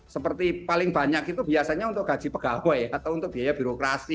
seperti paling banyak itu biasanya untuk gaji pegawai atau untuk biaya birokrasi